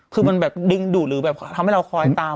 คือมันแบบดึงดูดหรือแบบทำให้เราคอยตาม